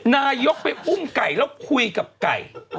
นายกไปอุ้มไก่แล้วคุยกับไก่